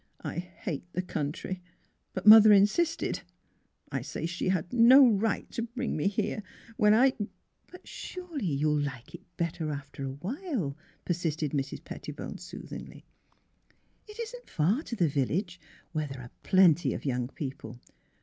" I hate the country. But mother insisted — I say she had no right to bring me here, when I "*' But surely you '11 like it better after a while, '' persisted Mrs. Pettibone, soothingly. " It isn't far to the village, where there are plenty of young people.